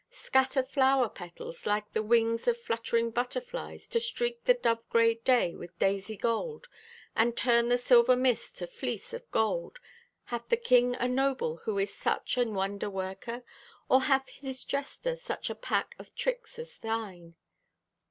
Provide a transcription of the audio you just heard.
Scatter flower petals, like the wings Of fluttering butterflies, to streak The dove gray day with daisy gold, And turn the silver mist to fleece of gold. Hath the king a noble who is such An wonder worker? Or hath his jester Such a pack of tricks as thine?